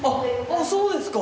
そうですか！